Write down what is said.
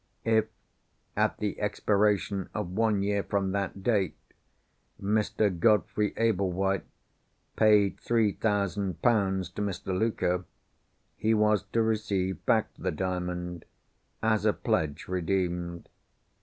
If, at the expiration of one year from that date, Mr. Godfrey Ablewhite paid three thousand pounds to Mr. Luker, he was to receive back the Diamond, as a pledge redeemed.